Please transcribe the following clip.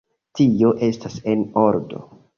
Tio estas en ordo.